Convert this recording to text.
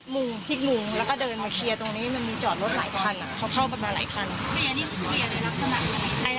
มุมพลิกมุมแล้วก็เดินมาเคลียร์ตรงนี้มันมีจอดรถหลายคันเขาเข้ามามาหลายคัน